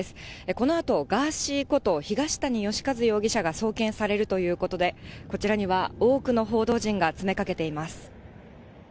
このあと、ガーシーこと東谷義和容疑者が送検されるということで、こちらには多くの報道陣が詰めかけています。